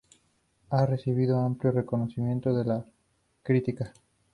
Ha recibido amplio reconocimiento de la crítica.